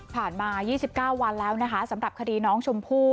ผ่านมายี่สิบเก้าวันแล้วนะคะสำหรับคดีน้องชมพู่